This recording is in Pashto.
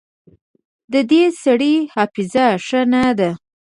د دې سړي حافظه ښه نه ده